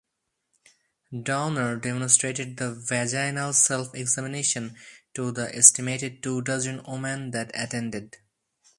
Downer demonstrated the vaginal self-examination to the estimated two dozen women that attended.